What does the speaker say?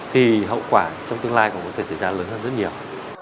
thì hậu quả trong tương lai cũng có thể xảy ra lớn hơn rất nhiều